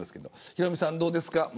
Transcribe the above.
ヒロミさん、どうですか。